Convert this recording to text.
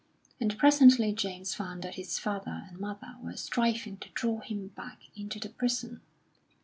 And presently James found that his father and mother were striving to draw him back into the prison.